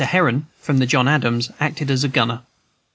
Heron, from the John Adams, acted as gunner.